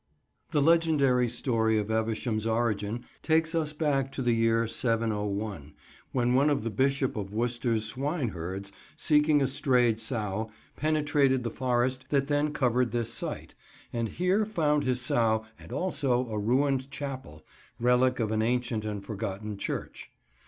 THE legendary story of Evesham's origin takes us back to the year 701, when one of the Bishop of Worcester's swineherds, seeking a strayed sow, penetrated the forest that then covered this site, and here found his sow and also a ruined chapel, relic of an ancient and forgotten church.